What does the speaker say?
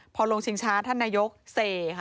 พอลงชิงช้าท่านนายกเสค่ะ